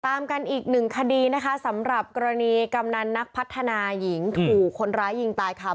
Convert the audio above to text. ตามกันอีกหนึ่งคดีนะคะสำหรับกรณีกำนันนักพัฒนาหญิงถูกคนร้ายยิงตายค่ะ